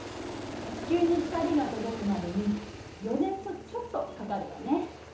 地球に光が届くまでに４年とちょっとかかるわね。